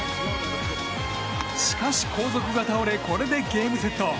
しかし後続が倒れゲームセット。